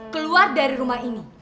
keluar dari rumah ini